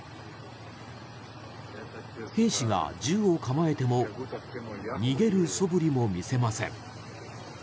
兵士が銃を構えても逃げるそぶりも見せません。